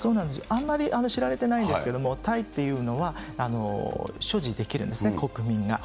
あんまり知られてないんですけれども、タイっていうのは、所持できるんですね、国民が。